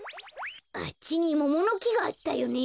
あっちにモモのきがあったよね。